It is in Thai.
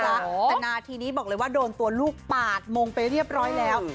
แต่นาทีนี้บอกเลยว่าโดนตัวลูกปาดมงไปเรียบร้อยแล้ว